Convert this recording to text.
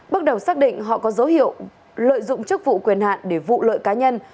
bước đầu xác định họ có dấu hiệu lợi dụng chức vụ quyền hạn để vụ lợi cá nhân